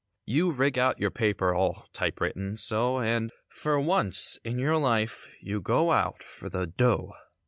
You rig out your paper all type written so And for once in your life you go out for the "dough."